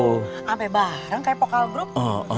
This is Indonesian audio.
sampai bareng kayak pokal grup